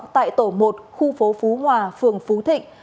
tại tổ một khu phố phú hòa phường phú thịnh